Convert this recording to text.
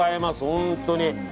本当に。